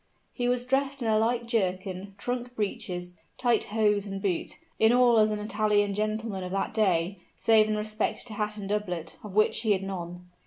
He was dressed in a light jerkin, trunk breeches, tight hose, and boot in all as an Italian gentleman of that day, save in respect to hat and doublet, of which he had none.